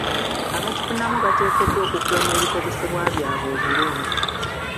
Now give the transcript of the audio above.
Abakifunamu bateekeddwa okukuuma ebikozesebwa byabwe obulungi